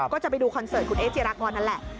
ก็จะไปดูคอนเสิร์ตคุณเอ๊จิรากรนั่นแหละ